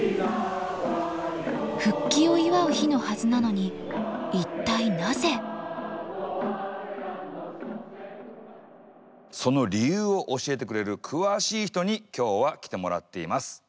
復帰を祝う日のはずなのにその理由を教えてくれる詳しい人に今日は来てもらっています。